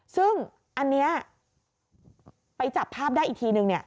ซึ่งอันนี้ไปจับภาพได้อีกทีนึงเนี่ย